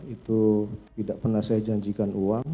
itu tidak pernah saya janjikan uang